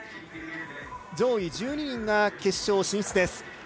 上位１２人が決勝進出です。